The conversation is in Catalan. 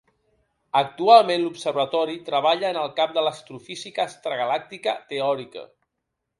Actualment l'observatori treballa en el camp de l'astrofísica extragalàctica teòrica.